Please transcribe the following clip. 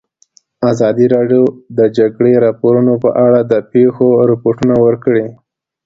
ازادي راډیو د د جګړې راپورونه په اړه د پېښو رپوټونه ورکړي.